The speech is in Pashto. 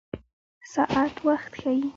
ساعت وخت ښيي